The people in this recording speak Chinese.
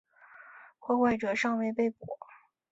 破坏者尚未被捕。